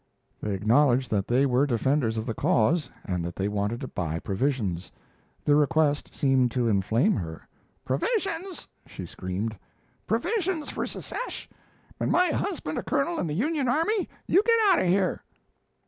They acknowledged that they were defenders of the cause and that they wanted to buy provisions. The request seemed to inflame her. "Provisions!" she screamed. "Provisions for secesh, and my husband a colonel in the Union Army. You get out of here!"